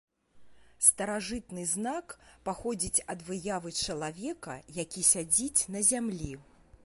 Старажытны знак паходзіць ад выявы чалавека, які сядзіць на зямлі.